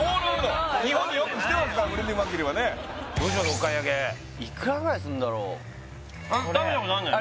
日本によく来てますからフレディ・マーキュリーはねどうしましょうお買い上げいくらぐらいするんだろう食べたことあるんだよね？